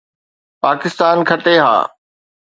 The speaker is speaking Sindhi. پاڪستان کٽي ها